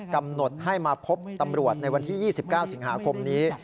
กำหนดให้มาพบตำรวจในวันที่๒๙สิงหาคมนี้